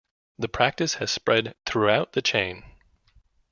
The practice has spread throughout the chain.